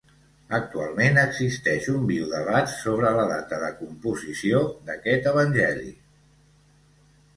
Actualment existeix un viu debat sobre la data de composició d'aquest evangeli.